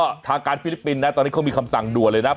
ก็ทางการฟิลิปปินส์นะตอนนี้เขามีคำสั่งด่วนเลยนะ